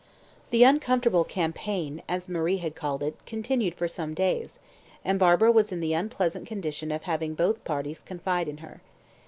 The uncomfortable "campaign," as Marie had called it, continued for some days, and Barbara was in the unpleasant condition of having both parties confide in her.